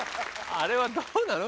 あれはどうなの？